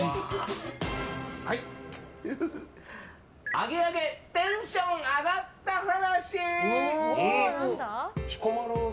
アゲアゲテンション上がった話。